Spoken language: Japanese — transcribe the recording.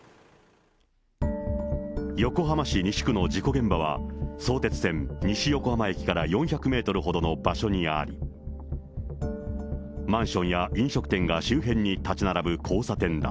横浜市西区の事故現場は、相鉄線西横浜駅から４００メートルほどの場所にあり、マンションや飲食店が周辺に建ち並ぶ交差点だ。